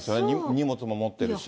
荷物も持ってるし。